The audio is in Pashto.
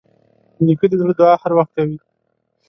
نیکه د زړه دعا هر وخت کوي.